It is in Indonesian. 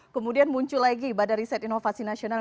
kemudian muncul lagi badan riset inovasi nasional